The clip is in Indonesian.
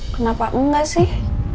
kenapa enggak sih